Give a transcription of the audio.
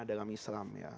dalam islam ya